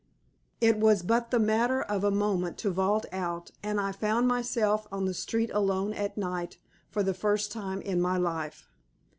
It was but the matter of a moment to vault out and I found myself on the street alone at night for the first time in my life.